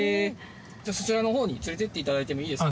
じゃあそちらのほうに連れていっていただいてもいいですか？